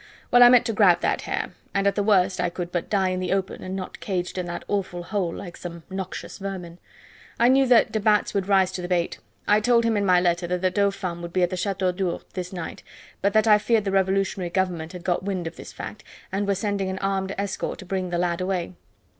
Well, I meant to grab that hair; and at the worst I could but die in the open and not caged in that awful hole like some noxious vermin. I knew that de Batz would rise to the bait. I told him in my letter that the Dauphin would be at the Chateau d'Ourde this night, but that I feared the revolutionary Government had got wind of this fact, and were sending an armed escort to bring the lad away.